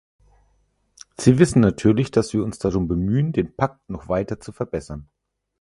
Sie wissen natürlich, dass wir uns darum bemühen, den Pakt noch weiter zu verbessern.